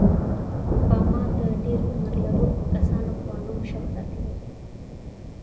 باما د ډېر عمر لرونکو کسانو په نوم شهرت لري.